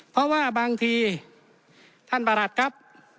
เพราะว่าบางทีท่านประหลัดครับ